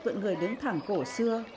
của người đứng thẳng cổ xưa